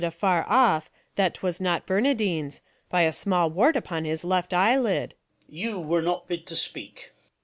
Afar off, that 'twas not Bernardine's, by A small wart upon his left eye lid. Duke. You were not bid to speak.